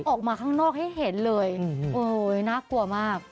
ออกมาข้างนอกให้เห็นเลยโอ้ยน่ากลัวมาก